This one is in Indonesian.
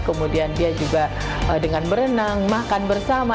kemudian dia juga dengan berenang makan bersama